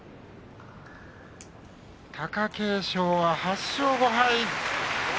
貴景勝は８勝５敗。